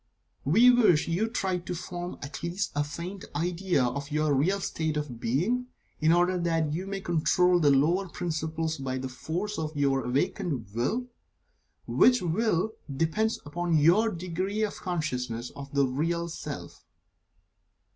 We wish you to try to form at least a faint idea of your Real State of Being, in order that you may control the lower principles by the force of your awakened Will, which Will depends upon your degree of consciousness of the Real Self.